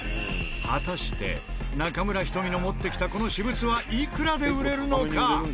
果たして中村仁美の持ってきたこの私物はいくらで売れるのか？